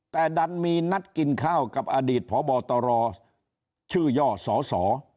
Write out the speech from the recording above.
แต่ดันมีนัดกินข้าวกับอดีตพบตรชื่อย่อสส